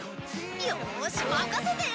よし任せて！